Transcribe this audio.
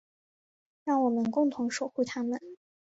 让我们共同守护她们。